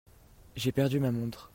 J'ai perdu ma montre.